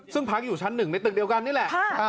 ซึ่งพักอยู่ชั้นหนึ่งในตึกเดียวกันนี่แหละ